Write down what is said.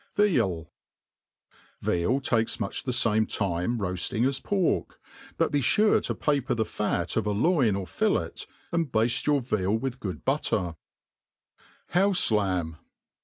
VEAL.. VEAL XsiLtz much the fame time i?oafting as pork ; but be fure to paper the fat bf a join or fillet, and bafte your veal with good butter* .'"'^ ^Z .... HpJ^S E LJ MB.